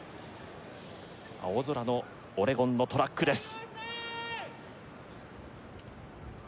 青空のオレゴンのトラックです